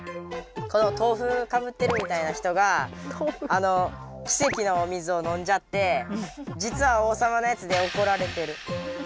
このとうふかぶってるみたいな人が奇跡のお水を飲んじゃってじつは王様のやつでおこられてる。